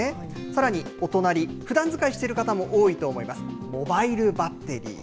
さらにお隣、ふだん使いしている方も多いと思います、モバイルバッテリー。